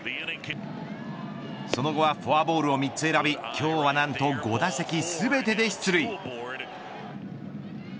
その後はフォアボールを３つ選び今日は何と５打席全てで出塁。